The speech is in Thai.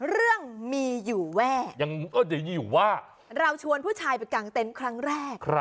เรื่องมีอยู่แว่เราชวนผู้ชายไปกางเตนครั้งแรก